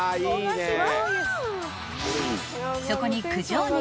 ［そこに］